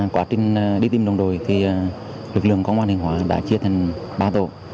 quá trình đi tìm đồng đội thì lực lượng công an hướng hóa đã chia thành ba tổ